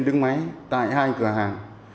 trên máy tại hai cửa hàng